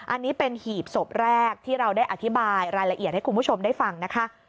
อันนี้เป็นหีบศพแรกที่เราได้อธิบายรายละเอียดให้คุณผู้ชมได้ฟังนะคะ